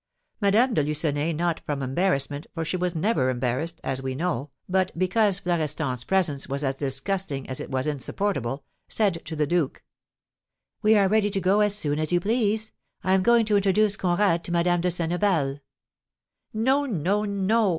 Madame de Lucenay, not from embarrassment, for she was never embarrassed, as we know, but because Florestan's presence was as disgusting as it was insupportable, said to the duke: "We are ready to go as soon as you please. I am going to introduce Conrad to Madame de Senneval." "No, no, no!"